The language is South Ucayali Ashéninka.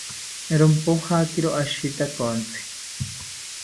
Rompojakiro ashitakontzi